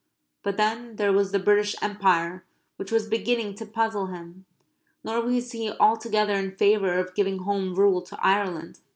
But then there was the British Empire which was beginning to puzzle him; nor was he altogether in favour of giving Home Rule to Ireland.